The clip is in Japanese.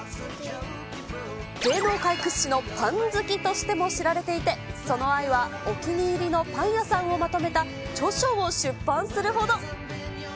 芸能界屈指のパン好きとしても知られていて、その愛はお気に入りのパン屋さんをまとめた著書を出版するほど。